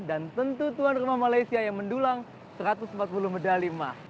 dan tentu tuan rumah malaysia yang mendulang satu ratus empat puluh medali emas